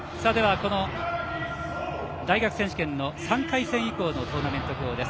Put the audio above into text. この大学選手権の３回戦以降のトーナメント表です。